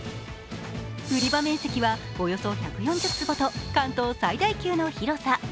売り場面積は、およそ１４０坪と関東最大級の広さ。